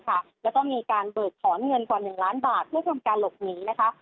แล้วก็มีการเบิกถอนเงินกว่า๑ล้านบาทเพื่อทำการหลบหนีนะคะ